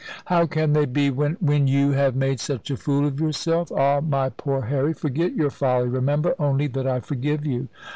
"How can they be, when ?" "When you have made such a fool of yourself? Ah, my poor Harry, forget your folly. Remember only that I forgive you."